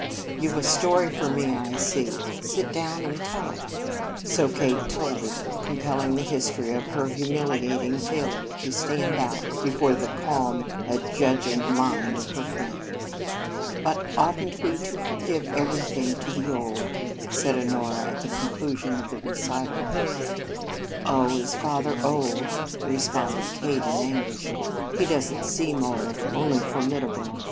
"You've a story for me, I see. Sit down and tell it." So Kate told it, compelling the history of her humiliating failure to stand out before the calm, adjudging mind of her friend. "But oughtn't we to forgive everything to the old?" cried Honora at the conclusion of the recital. "Oh, is father old?" responded Kate in anguish. "He doesn't seem old only formidable.